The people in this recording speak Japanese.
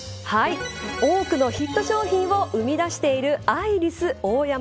多くのヒット商品を生み出しているアイリスオーヤマ。